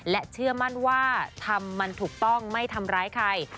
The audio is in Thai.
และเชื่อมั่นว่าทำมันถูกต้องไม่ทำร้ายใคร